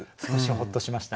ほっとしました。